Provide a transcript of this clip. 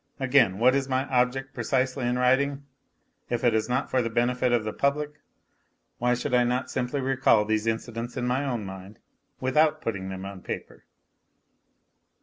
Again, what is my object precisely in writing ? If it is not for the benefit of the public why should I not simply recall these incidents in my own mind without putting them on paper